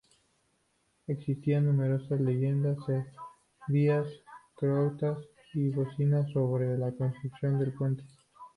Existían numerosas leyendas serbias, croatas y bosnias sobre la construcción del puente.